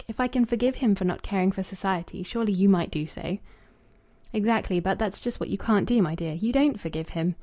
If I can forgive him for not caring for society, surely you might do so." "Exactly; but that's just what you can't do, my dear. You don't forgive him.